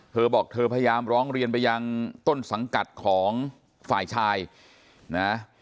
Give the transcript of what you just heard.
เธอบอกเธอพยายามร้องเรียนไปยังต้นสังกัดของฝ่ายชายนะ